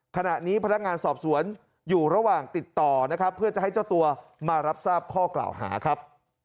ขณะนี้พนักงานสอบสวนอยู่ระหว่างติดต่อนะครับเพื่อจะให้เจ้าตัวมารับทราบข้อกล่าวหาครับ